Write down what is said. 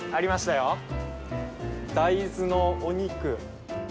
大豆のお肉。